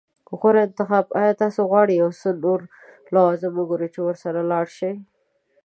غوره انتخاب. ایا تاسو غواړئ یو څه نور لوازم وګورئ چې ورسره لاړ شئ؟